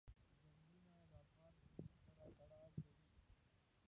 ځنګلونه د افغان کلتور سره تړاو لري.